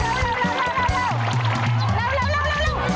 ออกแล้ว